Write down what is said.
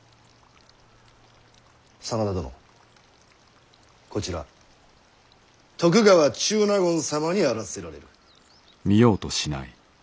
真田殿こちら徳川中納言様にあらせられる。